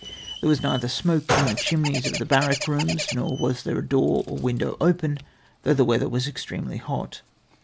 There was neither smoke in the chimneys of the barrack rooms, nor was there a door or window open, though the weather was extremely hot.